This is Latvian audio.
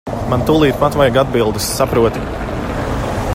Man tūlīt pat vajag atbildes, saproti.